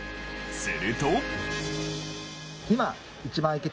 すると。